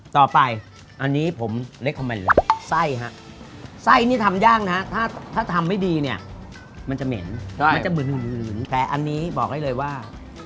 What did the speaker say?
ต่อไปอันนี้ผมเล็กของมันเลยไส้ฮะไส้นี่ทำย่างนะถ้าทำไม่ดีเนี่ยมันจะเหม็นมันจะหื่นแต่อันนี้บอกได้เลยว่า